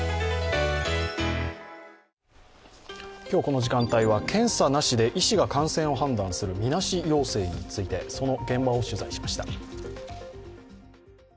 今日この時間帯は検査なしで医師が感染を判断するみなし陽性について、その現場を取材しました。